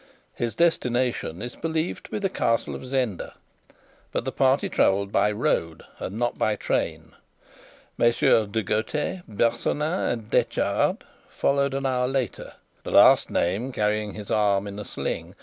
His destination is believed to be the Castle of Zenda, but the party travelled by road and not by train. MM De Gautet, Bersonin, and Detchard followed an hour later, the last named carrying his arm in a sling.